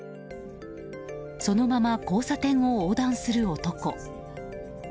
そのまま交差点を横断する男。